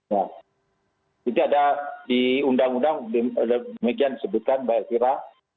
ya itu ada di undang undang demikian disebutkan mbak elvira